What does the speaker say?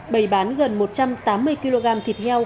bày bán gần một trăm tám mươi kg thịt heo